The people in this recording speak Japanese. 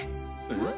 えっ？